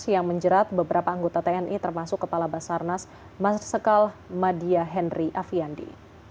yang menjerat beberapa anggota tni termasuk kepala basarnas marsikal madia henry afiandi